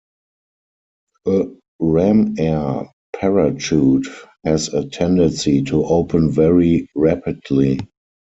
A ram-air parachute has a tendency to open very rapidly.